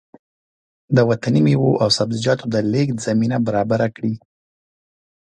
د وطني مېوو او سبزيجاتو د لېږد زمينه برابره کړي